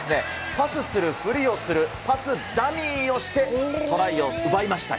パスするふりをして、パスダミーをして、トライを奪いました。